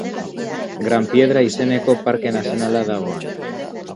Gran Piedra izeneko parke nazionala dago han.